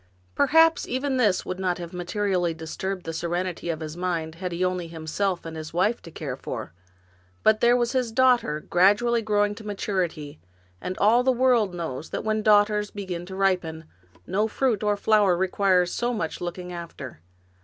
Perhaps even this would not have i/ nally disturbed the serenity of his mind had he had only himself and his wife to care for; but there was his daughter gradually growing to maturity, and all the world knows that when daughters be gin to ripen, no fruit nor flower requires so much looking after.